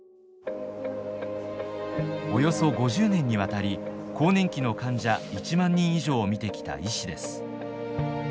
およそ５０年にわたり更年期の患者１万人以上を診てきた医師です。